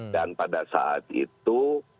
dan pada saat itu